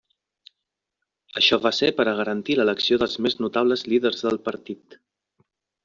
Això va ser per a garantir l'elecció dels més notables líders del Partit.